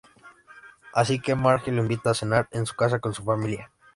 Así que Marge lo invita a cenar en su casa con su familia.